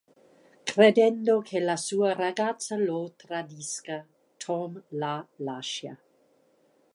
Credendo che la sua ragazza lo tradisca, Tom la lascia.